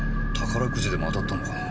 宝くじでも当たったのかな。